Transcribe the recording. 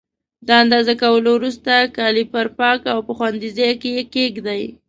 د اندازه کولو وروسته کالیپر پاک او په خوندي ځای کې کېږدئ.